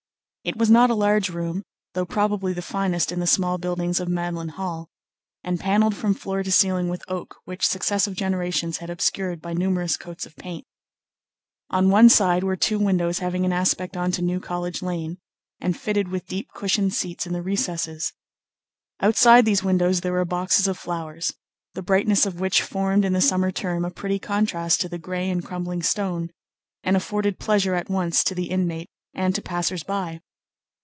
It was not a large room, though probably the finest in the small buildings of Magdalen Hall, and panelled from floor to ceiling with oak which successive generations had obscured by numerous coats of paint. On one side were two windows having an aspect on to New College Lane, and fitted with deep cushioned seats in the recesses. Outside these windows there were boxes of flowers, the brightness of which formed in the summer term a pretty contrast to the grey and crumbling stone, and afforded pleasure at once to the inmate and to passers by.